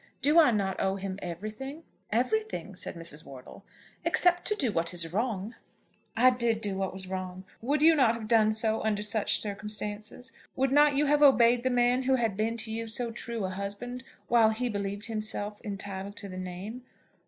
Do I not owe him everything?" "Everything," said Mrs. Wortle, "except to do what is wrong." "I did do what was wrong. Would not you have done so under such circumstances? Would not you have obeyed the man who had been to you so true a husband while he believed himself entitled to the name?